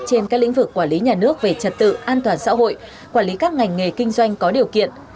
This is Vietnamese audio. trên các lĩnh vực quản lý nhà nước về trật tự an toàn xã hội quản lý các ngành nghề kinh doanh có điều kiện